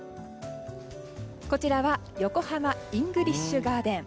こちらは横浜イングリッシュガーデン。